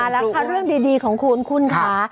เรื่องดีของคุณค่ะ